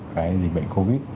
cái dịch bệnh covid